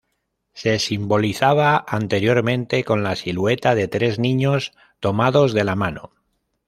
Se simbolizaba anteriormente con la silueta de tres niños tomados de la mano.